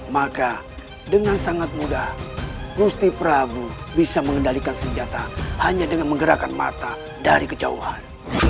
maka dengan sangat mudah rusti prabu bisa mengendalikan senjata hanya dengan menggerakkan mata dari kejauhan